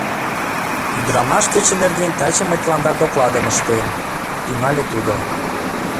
— Ӱдырамаш кече нерген таче мый тыланда докладым ыштем, — тӱҥале тудо.